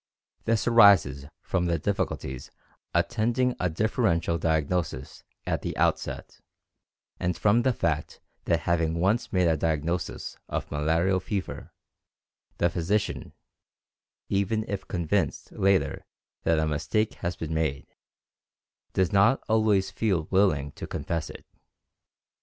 This arises from the difficulties attending a differential diagnosis at the outset, and from the fact that having once made a diagnosis of malarial fever, the physician, even if convinced later that a mistake has been made, does not always feel willing to confess it.